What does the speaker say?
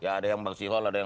ya ada yang bersihol ada yang